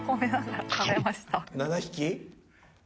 ７匹？